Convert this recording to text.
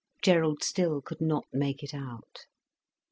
Gerald still could not make it out.